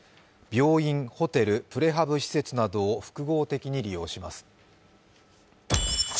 病院、ホテル、プレハブ施設などを複合的に利用します。